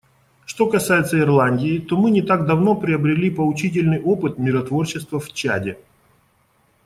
Что касается Ирландии, то мы не так давно пробрели поучительный опыт миротворчества в Чаде.